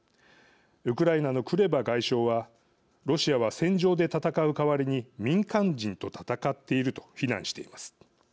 ウクライナのクレバ外相は「ロシアは戦場で戦うかわりに民間人と戦っている」と非難しています。